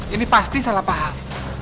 ini pasti salah paham